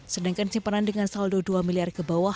sedangkan simpanan dengan saldo dua miliar ke bawah